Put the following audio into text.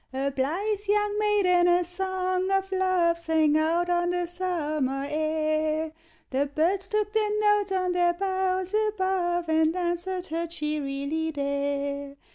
A blithe young maiden a song of love Sang out on the summer air; The birds took the notes, on their boughs above And answered her, cheerily, there!